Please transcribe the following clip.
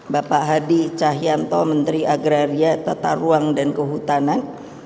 bapak hadi cahyanto menteri agraria tata ruang dan kehutanan